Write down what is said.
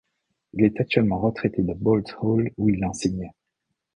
Il est actuellement retraité de Boalt Hall où il enseignait.